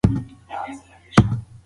د سږو سرطان لږ اغېزمن دی.